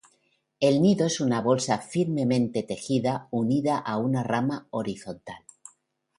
El nido es una bolsa firmemente tejida unida a una rama horizontal.